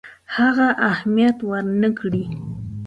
هغه اهمیت ورنه کړي.